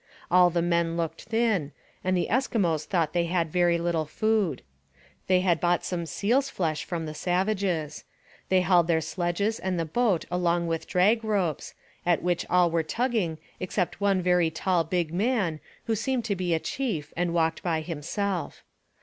All the men looked thin, and the Eskimos thought they had very little food. They had bought some seal's flesh from the savages. They hauled their sledges and the boat along with drag ropes, at which all were tugging except one very tall big man, who seemed to be a chief and walked by himself.